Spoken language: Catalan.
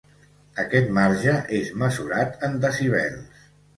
Aquest marge és mesurat en decibels.